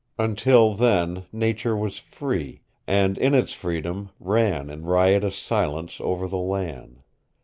Until then nature was free, and in its freedom ran in riotous silence over the land.